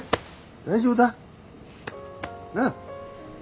大丈夫だ。な。